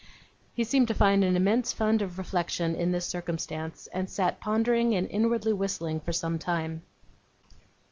He seemed to find an immense fund of reflection in this circumstance, and sat pondering and inwardly whistling for some time.